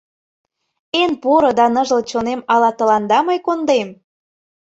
Эн поро да ныжыл чонем Ала тыланда мый кондем?